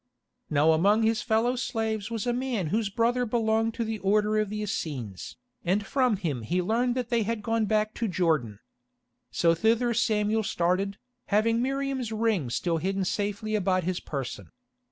Now among his fellow slaves was a man whose brother belonged to the Order of the Essenes, and from him he learned that they had gone back to Jordan. So thither Samuel started, having Miriam's ring still hidden safely about his person.